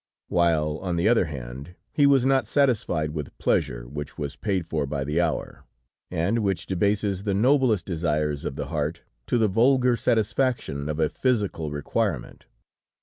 While, on the other hand, he was not satisfied with pleasure which was paid for by the hour, and which debases the noblest desires of the heart, to the vulgar satisfaction of a physical requirement.